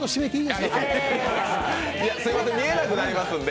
すいません、見えなくなりますので。